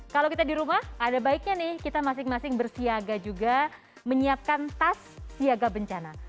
kalau kita di rumah ada baiknya nih kita masing masing bersiaga juga menyiapkan tas siaga bencana